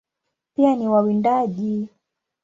Pia ni wawindaji.